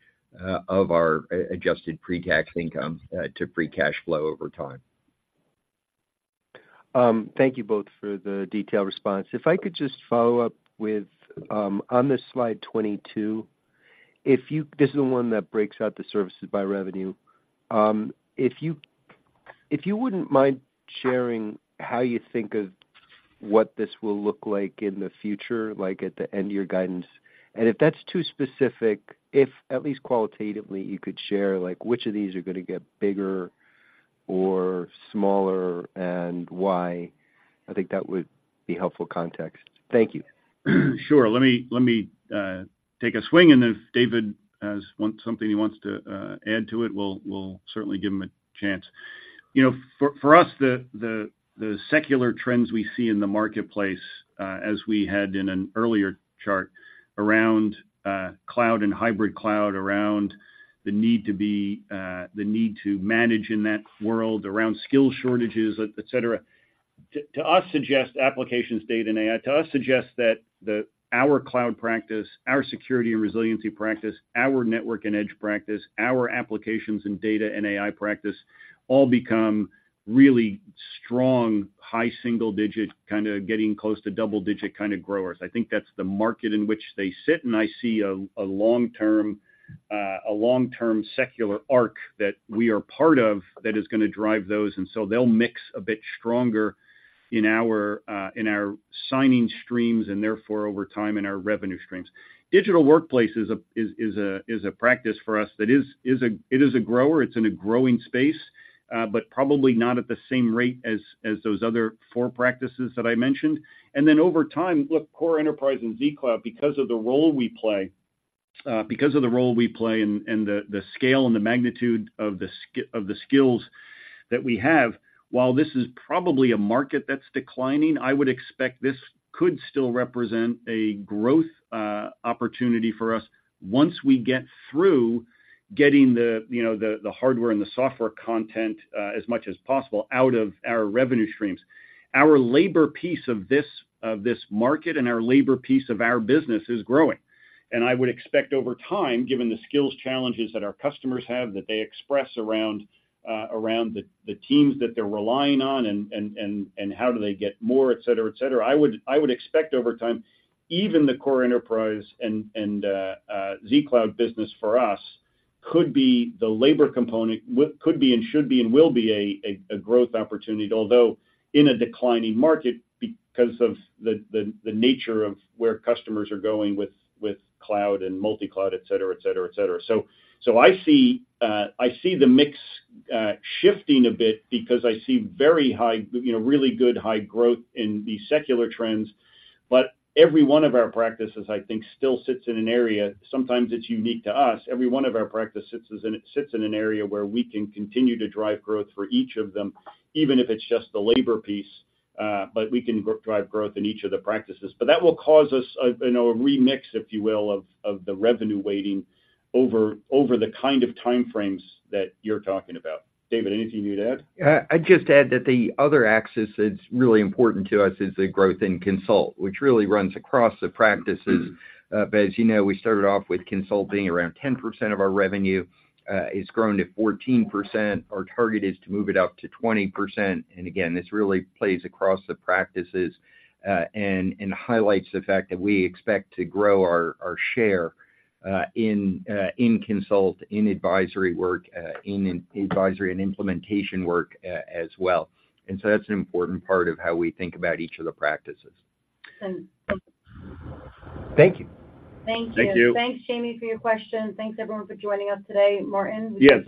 of our Adjusted Pre-Tax Income to free cash flow over time. Thank you both for the detailed response. If I could just follow up with, on the slide 22, if you—this is the one that breaks out the services by revenue. If you wouldn't mind sharing how you think of what this will look like in the future, like at the end of your guidance? And if that's too specific, if at least qualitatively, you could share, like, which of these are gonna get bigger or smaller and why, I think that would be helpful context. Thank you. Sure. Let me take a swing, and if David has something he wants to add to it, we'll certainly give him a chance. You know, for us, the secular trends we see in the marketplace, as we had in an earlier chart around Cloud and hybrid Cloud, around the need to manage in that world, around skill shortages, et cetera, to us, suggests Applications, Data, and AI. To us, suggests that our Cloud practice, our Security and Resiliency practice, our Network and Edge practice, our Applications, Data, and AI practice all become really strong, high single digit, kind of getting close to double-digit kind of growers. I think that's the market in which they sit, and I see a long-term secular arc that we are part of that is gonna drive those, and so they'll mix a bit stronger in our signing streams, and therefore, over time, in our revenue streams. Digital Workplace is a practice for us that is a grower. It's in a growing space, but probably not at the same rate as those other four practices that I mentioned. And then over time, look, Core Enterprise and zCloud, because of the role we play and the scale and the magnitude of the skills that we have, while this is probably a market that's declining, I would expect this could still represent a growth opportunity for us once we get through getting the, you know, the hardware and the software content as much as possible out of our revenue streams. Our labor piece of this market and our labor piece of our business is growing, and I would expect over time, given the skills challenges that our customers have that they express around the teams that they're relying on and how do they get more, et cetera, et cetera. I would, I would expect over time, even the Core Enterprise and zCloud business for us could be the labor component, would, could be and should be and will be a growth opportunity, although in a declining market because of the nature of where customers are going with Cloud and multi-Cloud, et cetera, et cetera, et cetera. So I see the mix shifting a bit because I see very high, you know, really good high growth in these secular trends. But every one of our practices, I think, still sits in an area. Sometimes it's unique to us. Every one of our practices sits in an area where we can continue to drive growth for each of them, even if it's just the labor piece, but we can drive growth in each of the practices. But that will cause us, you know, a remix, if you will, of the revenue weighting over the kind of time frames that you're talking about. David, anything you'd add? I'd just add that the other axis that's really important to us is the growth in Consult, which really runs across the practices. But as you know, we started off with consulting around 10% of our revenue, it's grown to 14%. Our target is to move it up to 20%. And again, this really plays across the practices, and highlights the fact that we expect to grow our share in Consult, in advisory work, in advisory and implementation work, as well. And so that's an important part of how we think about each of the practices. Thank you. Thank you. Thank you. Thanks, Jamie, for your question. Thanks everyone for joining us today. Martin? Yes.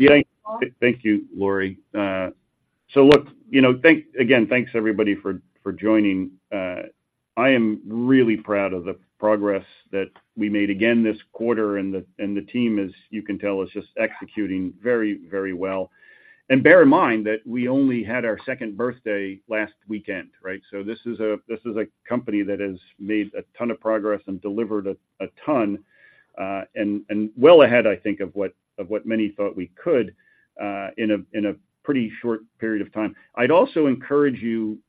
Thank you, Lori. So look, you know, again, thanks everybody for joining. I am really proud of the progress that we made again this quarter, and the team, as you can tell, is just executing very, very well. And bear in mind that we only had our second birthday last weekend, right? So this is a company that has made a ton of progress and delivered a ton, and well ahead, I think, of what many thought we could in a pretty short period of time. I'd also encourage you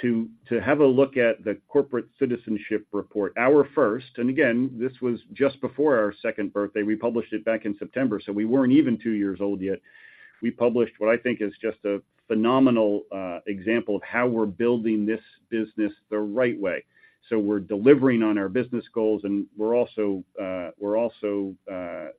to have a look at the Corporate Citizenship Report, our first, and again, this was just before our second birthday. We published it back in September, so we weren't even two years old yet. We published what I think is just a phenomenal example of how we're building this business the right way. So we're delivering on our business goals, and we're also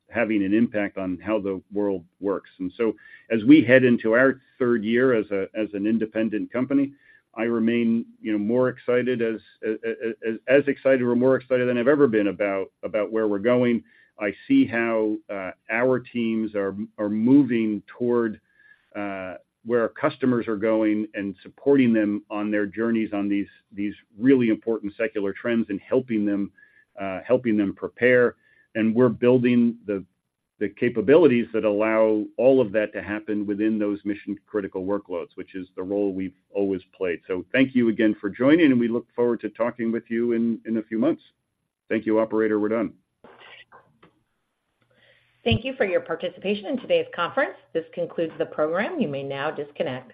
having an impact on how the world works. And so as we head into our third year as an independent company, I remain, you know, more excited, as excited or more excited than I've ever been about where we're going. I see how our teams are moving toward where our customers are going and supporting them on their journeys on these really important secular trends and helping them prepare. And we're building the capabilities that allow all of that to happen within those mission-critical workloads, which is the role we've always played. Thank you again for joining, and we look forward to talking with you in a few months. Thank you, operator. We're done. Thank you for your participation in today's conference. This concludes the program. You may now disconnect.